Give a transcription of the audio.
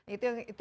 itu yang pertama